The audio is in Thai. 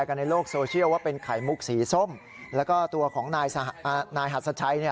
กันในโลกโซเชียลว่าเป็นไข่มุกสีส้มแล้วก็ตัวของนายหัสชัยเนี่ย